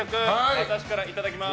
私からいただきます。